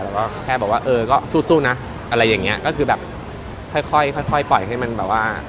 ก็แค่บอกว่าเออก็สู้นะอะไรอย่างเงี้ยก็คือแบบค่อยค่อยปล่อยให้มันแบบว่า